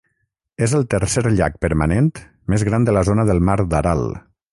És el tercer llac permanent més gran de la zona del mar d'Aral.